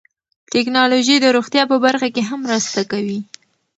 ټکنالوژي د روغتیا په برخه کې هم مرسته کوي.